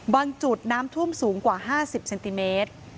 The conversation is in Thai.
จุดน้ำท่วมสูงกว่า๕๐เซนติเมตร